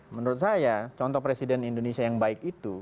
menurut saya contoh presiden indonesia yang baik itu